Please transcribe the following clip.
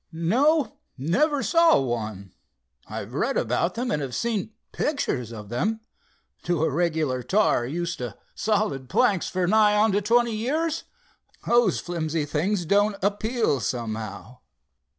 "No, never saw one. I've read about them and have seen pictures of them. To a regular tar, used to solid planks for nigh onto twenty years, those flimsy things don't appeal, somehow."